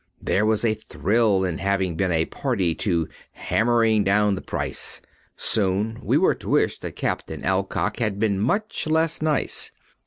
There was a thrill in having been a party to "hammering down the price." Soon we were to wish that Captain Alcock had been much less nice.